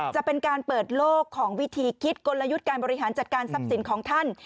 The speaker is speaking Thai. จะเป็นการเปิดโลกของวิธีคิดกลยุทธ์การบริหารจัดการทรัพย์สินของท่าน